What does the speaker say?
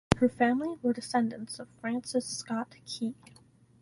Her family were descendants of Francis Scott Key.